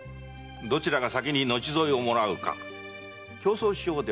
どちらが先に後添えをもらうか競争しよう。